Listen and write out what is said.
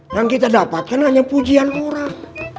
yang kita dapatkan hanya pujian orang